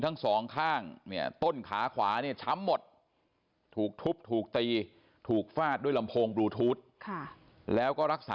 หรือหรือหรือหรือหรือหรือ